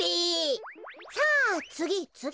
さあつぎつぎ！